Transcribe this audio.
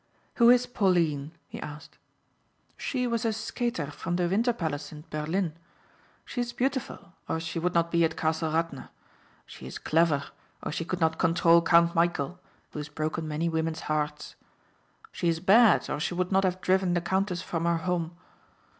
"Who is Pauline?" he asked. "She was a skater from the Winter Palace in Berlin. She is beautiful or she would not be at Castle Radna; she is clever or she could not control Count Michæl who has broken many women's hearts. She is bad or she would not have driven the countess from her home.